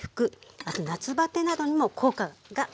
あと夏バテなどにも効果がとてもありますね。